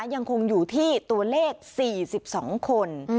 ยังคงอยู่ที่ตัวเลข๔๒คน